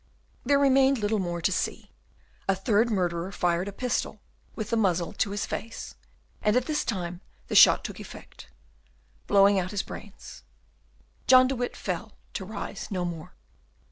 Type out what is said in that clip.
There remained little more to see; a third murderer fired a pistol with the muzzle to his face; and this time the shot took effect, blowing out his brains. John de Witt fell to rise no more.